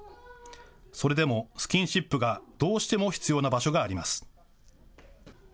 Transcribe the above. それでもスキンシップがどうしても必要な場所があります。